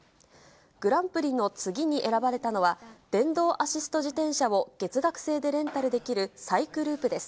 グランプリの次に選ばれたのは、電動アシスト自転車を月額制でレンタルできるサイクループです。